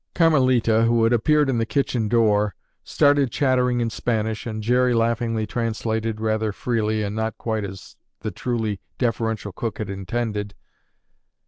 Carmelita, who had appeared in the kitchen door, started chattering in Spanish and Jerry laughingly translated, rather freely, and not quite as the truly deferential cook had intended.